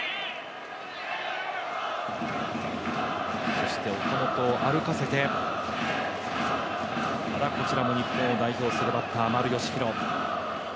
そして岡本を歩かせてこちらも日本を代表する丸佳浩。